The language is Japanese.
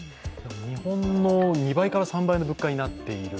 日本の２倍から３倍の物価になっている。